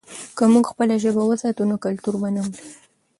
که موږ خپله ژبه وساتو، نو کلتور به نه مري.